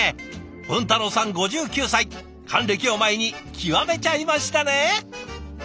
文太郎さん５９歳還暦を前に極めちゃいましたね！